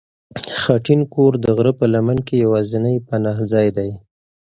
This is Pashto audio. خټین کور د غره په لمن کې یوازینی پناه ځای دی.